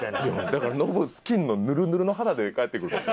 だからノブスキンのヌルヌルの肌で帰ってくるかも。